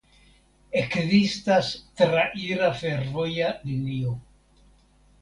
Ekzistas traira fervoja linio.